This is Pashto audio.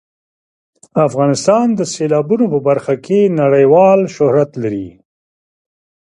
افغانستان د سیلابونه په برخه کې نړیوال شهرت لري.